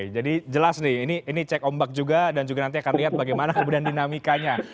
jadi jelas nih ini cek ombak juga dan juga nanti akan lihat bagaimana kemudian dinamikanya